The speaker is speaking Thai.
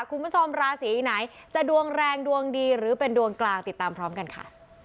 คุณผู้ชมราศีไหนจะดวงแรงดวงดีหรือเป็นดวงกลางติดตามพร้อมกันค่ะ